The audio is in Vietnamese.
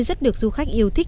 rất được du khách yêu thích